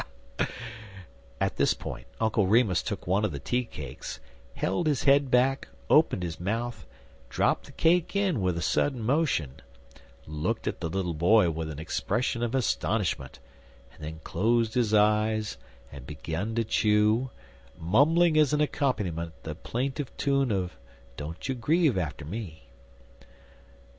At this point Uncle Remus took one of the teacakes, held his head back, opened his mouth, dropped the cake in with a sudden motion, looked at the little boy with an expression of astonishment, and then closed his eyes, and begun to chew, mumbling as an accompaniment the plaintive tune of "Don't you Grieve atter Me."